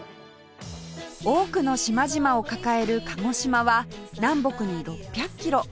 多くの島々を抱える鹿児島は南北に６００キロ